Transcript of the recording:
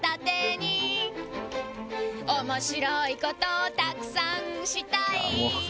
「おもしろい事をたくさんしたい」